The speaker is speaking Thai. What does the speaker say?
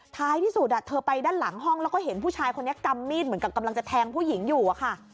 ท้ายที่สุดเธอไปด้านหลังห้องแล้วก็เห็นผู้ชายคนนี้กำมีดเหมือนกับกำลังจะแทงผู้หญิงอยู่อะค่ะ